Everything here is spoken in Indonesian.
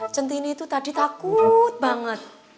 centini itu tadi takut banget